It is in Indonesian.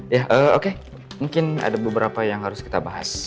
ya oke mungkin ada beberapa yang harus kita bahas